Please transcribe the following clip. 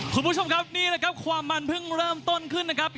คุณผู้ชมครับนี่แหละครับความมันเพิ่งเริ่มต้นขึ้นนะครับ